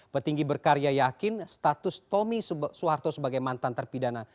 petinggi berkarya yakin status tommy soeharto sebagai mantan terpidana